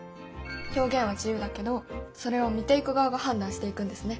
表現は自由だけどそれを見ていく側が判断していくんですね。